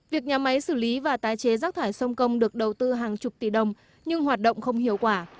việc nhà máy xử lý và tái chế rác thải sông công được đầu tư hàng chục tỷ đồng nhưng hoạt động không hiệu quả